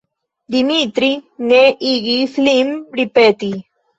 Dimitri ne igis lin ripeti.